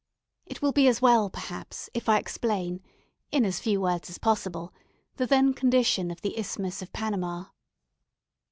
It will be as well, perhaps, if I explain, in as few words as possible, the then condition of the Isthmus of Panama.